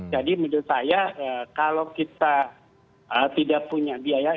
jadi menurut saya kalau kita tidak punya biaya